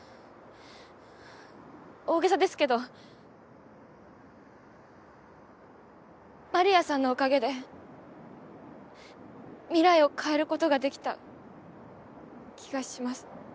大げさですけど丸谷さんのおかげで未来を変える事ができた気がします。